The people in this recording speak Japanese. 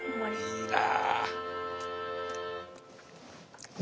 いいな。